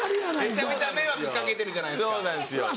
めちゃめちゃ迷惑かけてるじゃないですか。